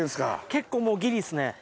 結構もう、ぎりっすね。